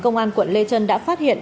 công an quận lê trân đã phát hiện